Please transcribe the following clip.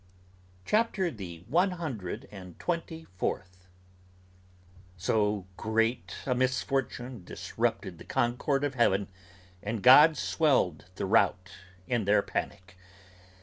CHAPTER THE ONE HUNDRED AND TWENTY FOURTH. "So great a misfortune disrupted the concord of heaven And gods swelled the rout in their panic!